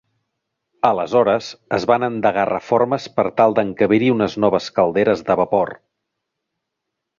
Aleshores, es van endegar reformes per tal d'encabir-hi unes noves calderes de vapor.